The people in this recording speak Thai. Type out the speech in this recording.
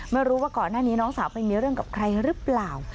ไม่รู้ว่าก่อนหน้านี้น้องสาวไปมีเรื่องกับใครหรือเปล่า